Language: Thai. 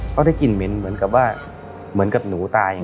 เขาได้กลิ่นเหม็นเหมือนกับว่าเหมือนกับหนูตาย